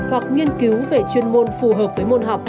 hoặc nghiên cứu về chuyên môn phù hợp với môn học